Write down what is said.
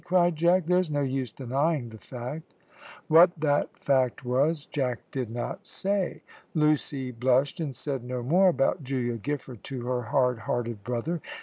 cried Jack. "There's no use denying the fact." What that fact was Jack did not say. Lucy blushed, and said no more about Julia Giffard to her hard hearted brother.